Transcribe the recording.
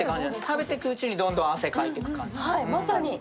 食べていくうちに、どんどん汗をかいていくような感じ。